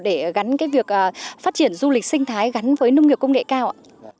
để gắn việc phát triển du lịch sinh thái gắn với nông nghiệp công nghệ cao ạ